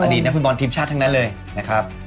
ดีตนักฟุตบอลทีมชาติทั้งนั้นเลยนะครับ